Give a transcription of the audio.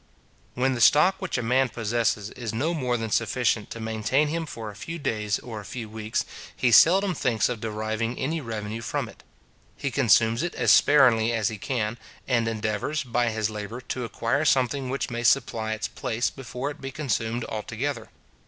When the stock which a man possesses is no more than sufficient to maintain him for a few days or a few weeks, he seldom thinks of deriving any revenue from it. He consumes it as sparingly as he can, and endeavours, by his labour, to acquire something which may supply its place before it be consumed altogether.